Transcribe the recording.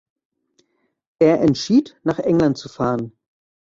Er entschied, nach England zu fahren.